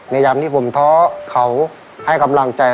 ยามที่ผมท้อเขาให้กำลังใจ